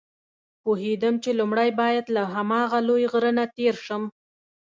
پوهېدم چې لومړی باید له هماغه لوی غره نه تېر شم.